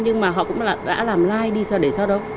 nhưng họ cũng đã làm lai đi sao để sao đâu